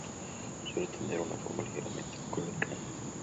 Suele tener una forma ligeramente cónica.